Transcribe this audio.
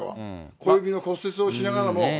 小指の骨折をしながらも。